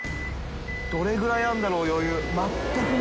どれぐらいあるんだろう余裕。